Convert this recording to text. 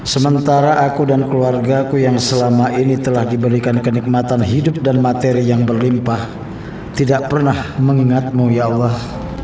sementara aku dan keluargaku yang selama ini telah diberikan kenikmatan hidup dan materi yang berlimpah tidak pernah mengingatmu ya allah